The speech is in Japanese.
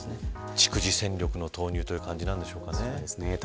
逐次戦力の投入という感じなんでしょうかね。